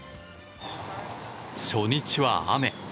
初日は雨。